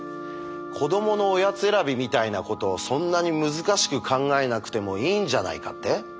子どものおやつ選びみたいなことをそんなに難しく考えなくてもいいんじゃないかって？